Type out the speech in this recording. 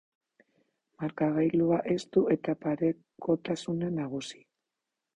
Markagailua estu eta parekotasuna nagusi.